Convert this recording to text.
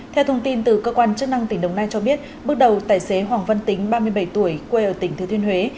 theo thông tin từ cơ quan chức năng tỉnh đồng nai cho biết bước đầu tài xế hoàng văn tính ba mươi bảy tuổi quê ở tỉnh thứ thiên huế